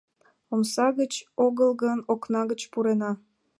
— Омса гыч огыл гын, окна гыч пурена».